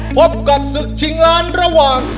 พบกับศึกชิงล้านระหว่าง